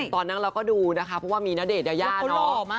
ตอนนั้นเราก็ดูนะคะเพราะว่ามีณเดชนยายาเนาะ